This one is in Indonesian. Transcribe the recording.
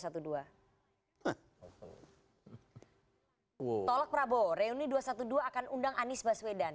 tolak prabowo reuni dua ratus dua belas akan undang anies baswedan